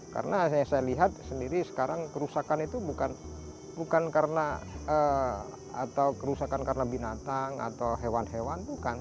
karena saya lihat sendiri sekarang kerusakan itu bukan karena atau kerusakan karena binatang atau hewan hewan bukan